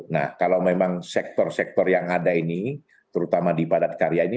nah kalau memang sektor sektor yang ada ini terutama di padat karya ini